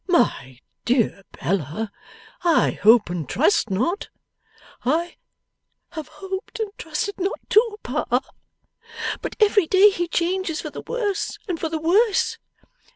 'My dear Bella, I hope and trust not.' 'I have hoped and trusted not too, Pa; but every day he changes for the worse, and for the worse.